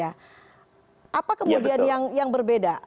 apa kemudian yang berbeda